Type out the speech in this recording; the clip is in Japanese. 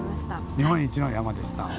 日本一の山でした。